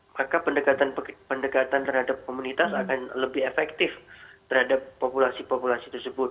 maka pendekatan pendekatan terhadap komunitas akan lebih efektif terhadap populasi populasi tersebut